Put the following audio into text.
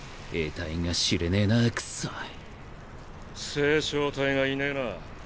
星漿体がいねぇな。